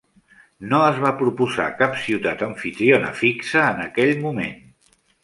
No es va proposar cap ciutat amfitriona fixa en aquell moment.